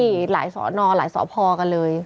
ที่หลายสอบนอนหลายสอบพอกันเลย